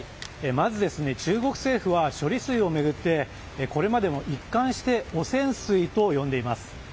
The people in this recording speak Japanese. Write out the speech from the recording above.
まず中国政府は、処理水を巡ってこれまでも一貫して汚染水と呼んでいます。